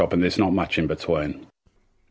dan tidak ada banyak di antara